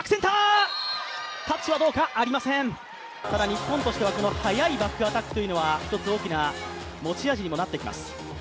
日本としては速いバックアタックというのは一つ、大きな持ち味にもなってきます。